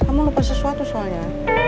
kamu lupa sesuatu soalnya